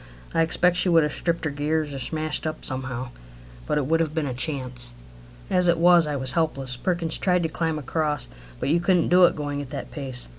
I expect she would have stripped her gears or smashed up somehow, but it would have been a chance. As it was, I was helpless. Perkins tried to climb across, but you couldn't do it going at that pace.